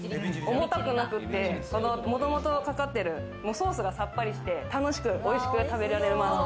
重たくなくて、もともとかかってるソースがさっぱりして楽しく美味しく食べられます。